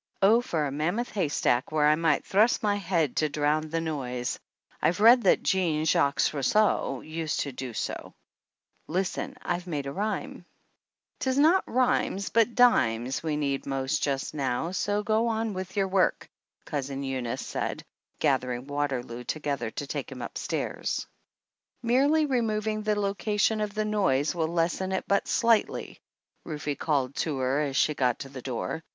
"Oh, for a mammoth haystack where I might thrust my head to drown the noise I've read that Jean Jacques Rousseau used to do so ! Listen, I've made a rhyme !"" "Tis not rhymes but dimes we need most just now ; so go on with your work," Cousin Eunice said, gathering Waterloo together to take him up stairs. 149 THE ANNALS OF ANN "Merely removing the location of the noise will lessen it but slightly," Ruf e called to her as she got to the door.